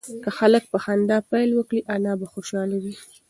که هلک په خندا پیل وکړي انا به خوشحاله شي.